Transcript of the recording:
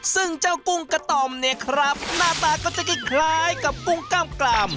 ซึ่งเจ้ากุ้งกระต่อมเนี่ยครับหน้าตาก็จะคล้ายกับกุ้งกล้ามกลาม